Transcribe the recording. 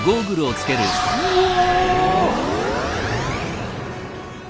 うわ！